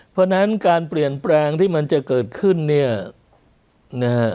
เพราะฉะนั้นการเปลี่ยนแปลงที่มันจะเกิดขึ้นเนี่ยนะฮะ